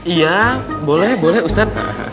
iya boleh boleh ustadz